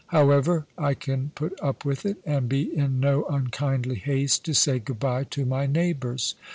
However, I can put up with it, and be in no unkindly haste to say "good bye" to my neighbours.